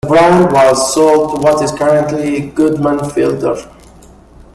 The brand was sold to what is currently Goodman Fielder.